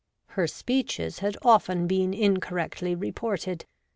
' Her speeches had often been incorrectly reported.